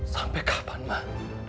sampai kapan mah